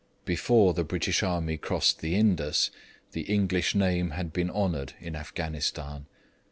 Before the British army crossed the Indus the English name had been honoured in Afghanistan.